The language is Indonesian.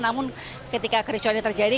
namun ketika kericauannya terjadi